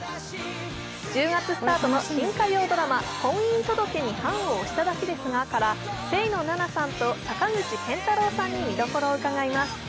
１０月スタートの新火曜ドラマ「婚姻届に判を捺しただけですが」から、清野菜名さんと坂口健太郎さんに見どころを伺います。